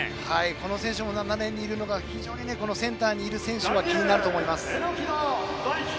この選手も７レーンにいるのが非常にセンターにいる選手は気になると思います。